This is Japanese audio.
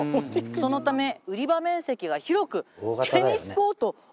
そのため売り場面積が広くテニスコートおよそ１５面分！